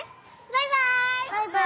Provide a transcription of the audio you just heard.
バイバイ。